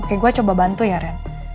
oke gue coba bantu ya ren